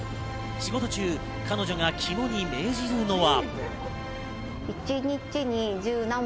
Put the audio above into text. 仕事中、彼女が肝に命じるのは。